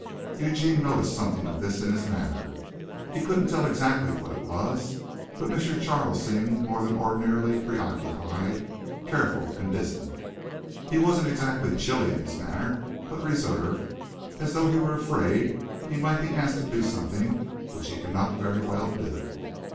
Eugene noticed something of this in his manner. He couldn't tell exactly what it was, but M. Charles seemed more than ordinarily preoccupied, careful and distant. He wasn't exactly chilly in his manner, but reserved, as though he were afraid he might be asked to do something which he could not very well do.